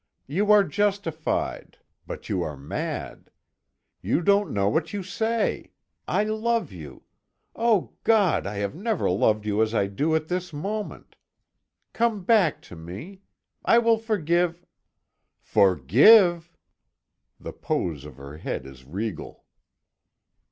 You are justified; but you are mad. You don't know what you say. I love you! Oh God! I have never loved you as I do this moment. Come back to me. I will forgive " "Forgive!" The pose of her head is regal.